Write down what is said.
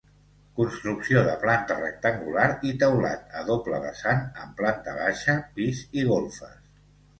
Construcció de planta rectangular i teulat a doble vessant, amb planta baixa, pis i golfes.